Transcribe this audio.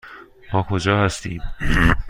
ما کجا هستیم؟